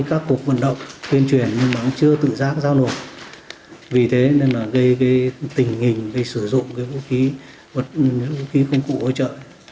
dù qua các cuộc vận động tuyên truyền nhưng vẫn chưa tự giác giao nộp vì thế nên gây tình hình sử dụng vũ khí công cụ hỗ trợ